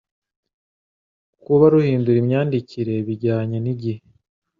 kuba ruhindura imyandikyire bijyanye nigihe